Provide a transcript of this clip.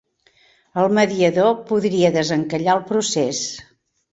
El mediador podria desencallar el procés